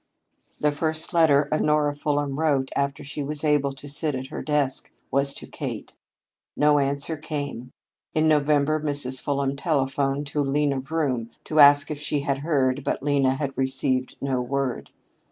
The first letter Honora Fulham wrote after she was able to sit at her desk was to Kate. No answer came. In November Mrs. Fulham telephoned to Lena Vroom to ask if she had heard, but Lena had received no word.